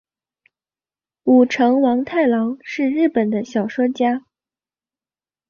舞城王太郎是日本的小说家。